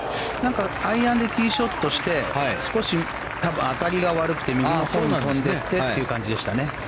アイアンでティーショットして少し当たりが悪くて右のほうに飛んでってって感じでしたね。